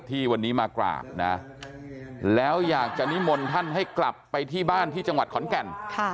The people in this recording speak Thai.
ที่วันนี้มากราบนะแล้วอยากจะนิมนต์ท่านให้กลับไปที่บ้านที่จังหวัดขอนแก่น